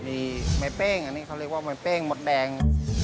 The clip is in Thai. มีไม้เป้งอันนี้เขาเรียกว่าไม้เป้งมดแดง